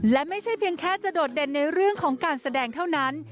และไม่เฉยจะโดดเด่นในเรื่องของการแสดงเท่านั้น